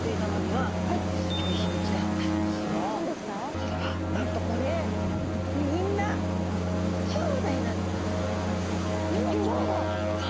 それはなんとこれみんなきょうだいなんです。